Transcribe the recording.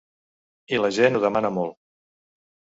I la gent ho demana molt.